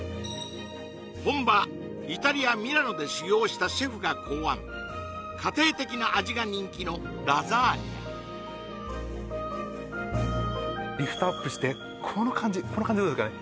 本場イタリア・ミラノで修業したシェフが考案家庭的な味が人気のラザーニャリフトアップしてこの感じどうですかね